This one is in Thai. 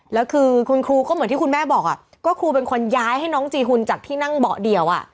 แล้วคือคุณครูก็เหมือนที่คุณแม่บอกก็ครูเป็นคนย้ายให้น้องจีหุ่นจากที่นั่งเบาะเดียว